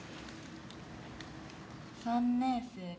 ３年生が。